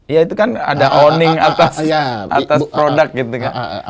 ya itu kan ada orning atas produk gitu kan